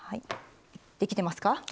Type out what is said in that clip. できてますか？